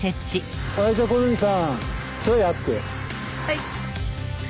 はい。